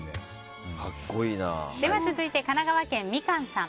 続いて、神奈川県の方。